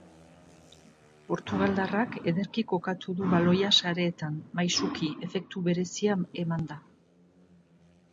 Portugaldarrak ederki kokatu du baloia sareetan, maisuki, efektu berezia emanda.